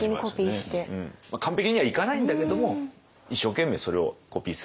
まあ完璧にはいかないんだけども一生懸命それをコピーするように。